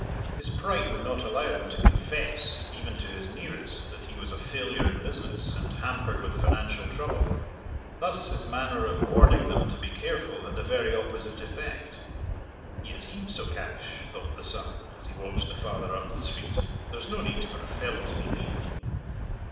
His pride would not allow him to confess, even to his nearest, that he was a failure in business, and hampered with financial trouble. Thus his manner of warning them to be careful had the very opposite effect. "He has heaps o' cash," thought the son, as he watched the father up the street; "there's no need for a fellow to be mean."